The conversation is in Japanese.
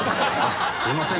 すいません